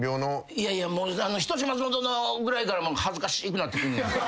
いやいや『人志松本の』ぐらいから恥ずかしくなってくんねん。